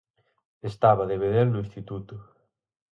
Estaba de bedel no instituto;